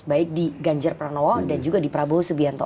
baik di ganjar pranowo dan juga di prabowo subianto